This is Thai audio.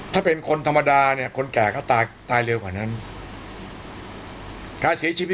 ถ้าลงไป๓๔วันเนี่ย